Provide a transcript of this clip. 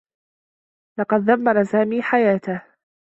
لقد دمّر سامي حياته.